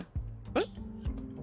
えっ？